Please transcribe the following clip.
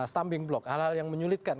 samping blok hal hal yang menyulitkan